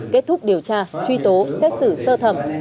kết thúc điều tra truy tố xét xử sơ thẩm